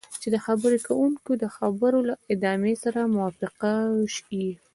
چې د خبرې کوونکي د خبرو له ادامې سره موافق یې.